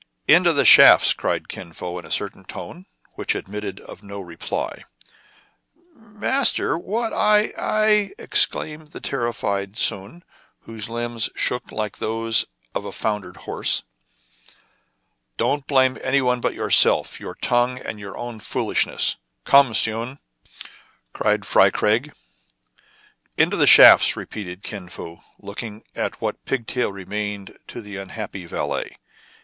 " Into the shafts !" cried Kin Fo in a certain tone, which admitted of no reply. '* Master — what — I — I "— exclaimed the terrified Soun, whose limbs shook like those of a foundered horse. KIN FO STARTS ON AN ADVENTURE, 133 " Don't blame any one but yourself, your tongue, and your own foolishness." " Come, Soun !" cried Fry Craig. " Into the shafts !" repeated Kin Fo, looking at what pigtail remained to the unhappy valet.